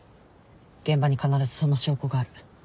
現場に必ずその証拠がある。